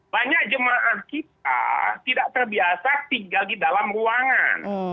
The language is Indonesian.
banyak jemaah kita tidak terbiasa tinggal di dalam ruangan